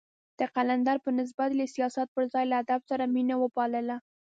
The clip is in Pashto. د قلندر په نسبت يې له سياست پر ځای له ادب سره مينه وپالله.